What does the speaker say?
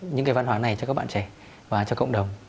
những cái văn hóa này cho các bạn trẻ và cho cộng đồng